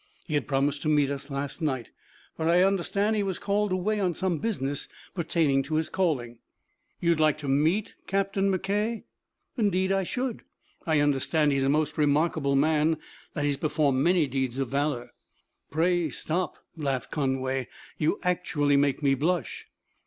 He had promised to meet us last night, but I understand was called away on some business pertaining to his calling." "You would like to meet Captain McKay?" "Indeed I should. I understand he is a most remarkable man, that he has performed many deeds of valor." "Pray stop!" laughed Conway. "You actually make me blush."